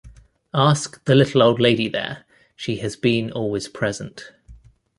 Ask the little old lady there; she has been always present.